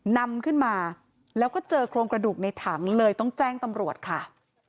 นำขึ้นมาแล้วก็เจอโครงกระดูกในถังเลยต้องแจ้งตำรวจค่ะ